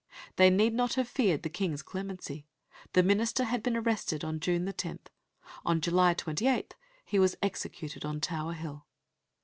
They need not have feared the King's clemency. The minister had been arrested on June 10. On July 28 he was executed on Tower Hill.